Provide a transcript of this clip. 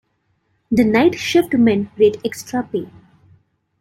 The night shift men rate extra pay.